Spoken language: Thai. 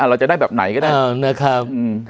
เราจะได้แบบไหนก็ได้